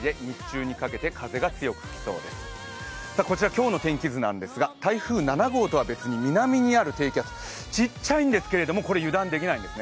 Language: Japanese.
今日の天気図ですが、台風７号とは別に南にある低気圧、ちっちゃいんですけれどもこれ油断できないんです。